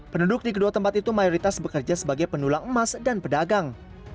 penduduk di kedua tempat itu mayoritas bekerja sebagai pendulang emas dan pedagang